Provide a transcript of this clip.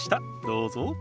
どうぞ。